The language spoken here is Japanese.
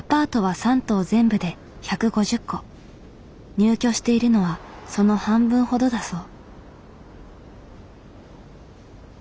入居しているのはその半分ほどだそう。